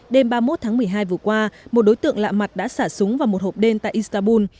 đêm ba mươi một tháng một mươi hai vừa qua một đối tượng lạ mặt đã xả súng vào một hộp đêm tại istanbul